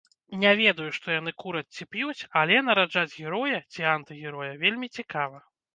Не ведаю, што яны кураць ці п'юць, але нараджаць героя ці антыгероя вельмі цікава.